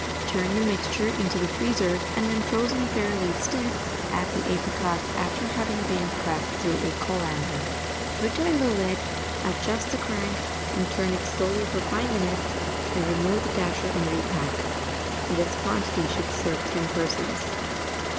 Turn the mixture into the freezer, and, when frozen fairly stiff, add the apricots after having been pressed through a colander. Return the lid, adjust the crank, and turn it slowly for five minutes, then remove the dasher and repack. This quantity should serve ten persons.